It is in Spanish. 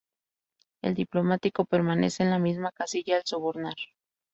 El diplomático permanece en la misma casilla al sobornar.